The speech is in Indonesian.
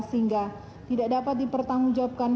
sehingga tidak dapat dipertanggungjawabkan